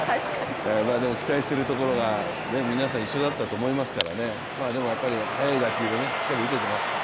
でも期待しているところが皆さん一緒だったと思いますからね、でもやっぱり速い打球でしっかり打てています。